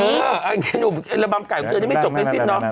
เนี่ยระบำไก่ของเจ๊นี่ไม่จบแปดสิบเนาะ